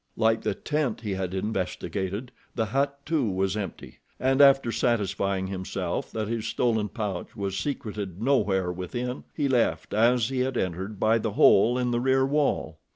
Like the tent he had investigated, the hut, too, was empty, and after satisfying himself that his stolen pouch was secreted nowhere within, he left, as he had entered, by the hole in the rear wall.